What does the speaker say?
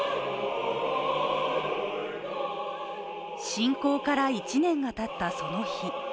侵攻から１年がたった、その日。